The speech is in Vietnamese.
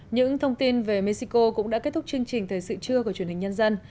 những thông tin về mexico cũng đã kết thúc chương trình thời sự trưa của truyền hình nhân dân